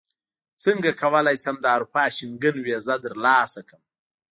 څنګه کولی شم د اروپا شینګن ویزه ترلاسه کړم